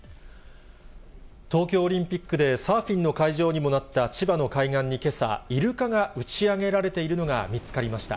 東京オリンピックでサーフィンの会場にもなった千葉の海岸にけさ、イルカが打ち上げられているのが見つかりました。